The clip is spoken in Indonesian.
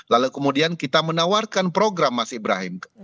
lalu kemudian kita menawarkan program mas ibrahim